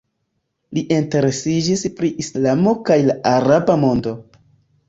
Li interesiĝis pri Islamo kaj la araba mondo.